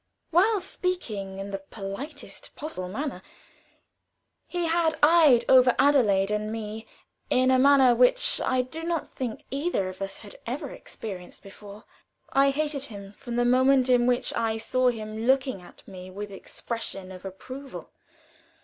While speaking in the politest possible manner, he had eyed over Adelaide and me in a manner which I do not think either of us had ever experienced before. I hated him from the moment in which I saw him looking at me with expression of approval.